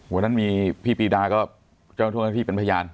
โปรดันมีพี่ปีรีดาก็เจาะตัวเมื่อก่อนพี่เป็นพยาน